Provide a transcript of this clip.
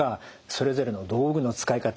それぞれの道具の使い方